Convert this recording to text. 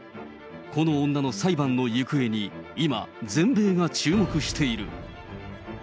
この女の裁判の行方に、今、全米が注目している。